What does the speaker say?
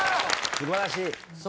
素晴らしい。